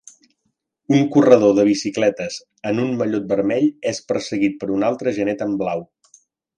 Un corredor de bicicletes en un mallot vermell és perseguit per un altre genet amb blau.